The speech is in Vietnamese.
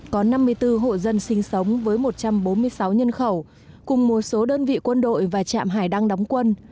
có năm mươi bốn hộ dân sinh sống với một trăm bốn mươi sáu nhân khẩu cùng một số đơn vị quân đội và trạm hải đăng đóng quân